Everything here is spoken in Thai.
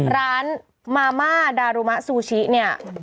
ร้านมาม่าดารุมะซูชิเนี่ย